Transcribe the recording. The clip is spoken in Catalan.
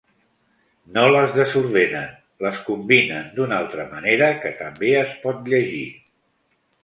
No les desordenen, les combinen d'una altra manera que també es pot llegir.